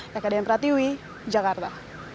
kekadian pratiwi jakarta